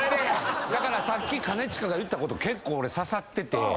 さっき兼近が言ったこと結構俺刺さってて。